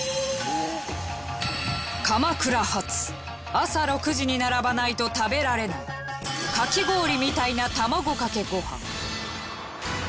鎌倉発朝６時に並ばないと食べられないかき氷みたいな卵かけご飯。